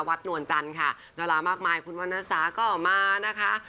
นวลจันทร์ค่ะดารามากมายคุณวรรณสาก็มานะคะ